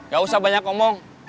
gak usah banyak omong